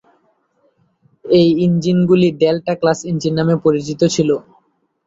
এই ইঞ্জিনগুলি ‘delta class’ engine নামেও পরিচিত ছিল।